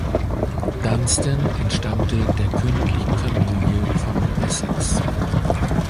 Dunstan entstammte der königlichen Familie von Wessex.